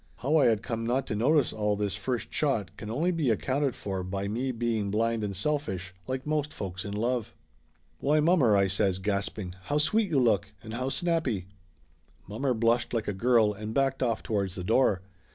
How I had come not to notice all this first shot can only be accounted for by me being blind and selfish, like most folks in love. Laughter Limited 339 "Why, mommer!" I says, gasping. "How sweet you look, and how snappy!" Mommer blushed like a girl and backed off towards the door.